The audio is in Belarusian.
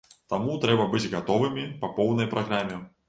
Таму трэба быць гатовымі па поўнай праграме.